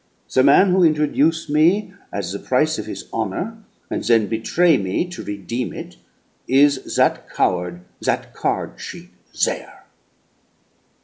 The man who introduce' me at the price of his honor, and then betray' me to redeem it, is that coward, that card cheat there!"